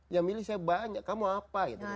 yang milih saya banyak kamu apa gitu